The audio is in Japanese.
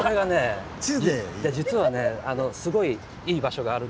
実はすごいいい場所があるので。